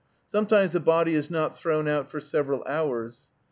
Sometimes the body is not thrown out for several hours.